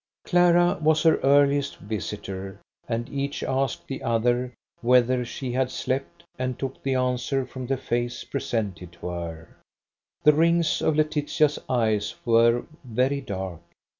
Clara was her earliest visitor, and each asked the other whether she had slept, and took the answer from the face presented to her. The rings of Laetitia's eyes were very dark.